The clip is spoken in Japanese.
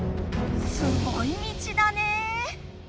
すごい道だね。